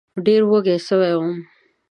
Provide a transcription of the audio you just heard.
ډېره وږې سوې وم